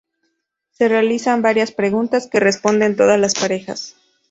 Se realizan varias preguntas, que responden todas las parejas.